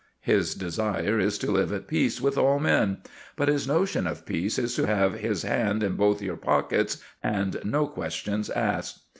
His desire is to live at peace with all men; but his notion of peace is to have his hand in both your pockets and no questions asked.